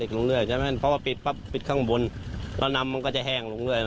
เพราะว่าปิดปั๊บปิดข้างบนแล้วนำมันก็จะแห้งลงเรื่อย